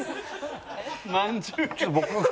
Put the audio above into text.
まんじゅうが。